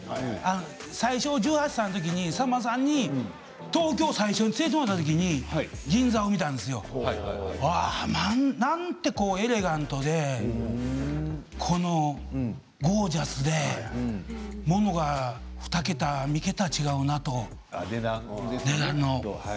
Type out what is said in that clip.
最初１８歳ときにさんまさんに東京最初に連れて行ってもらったときに、銀座を見たんですよ。なんてエレガントでゴージャスでものが２桁、３桁違うなと値段の。